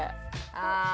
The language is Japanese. ああ。